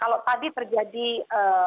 kalau tadi terjadi air pasang